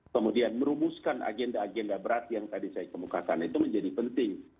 kemudian merumuskan agenda agenda berat yang tadi saya kemukakan itu menjadi penting